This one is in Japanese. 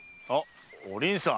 お凛さん。